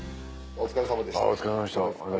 お疲れさまでした。